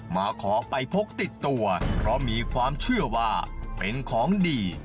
มาขอไปพกติดตัวเพราะมีความเชื่อว่าเป็นของดี